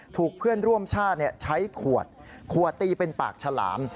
ถูกเพื่อนร่วมชาติใช้ขวดขวดตีเป็นปากฉลาม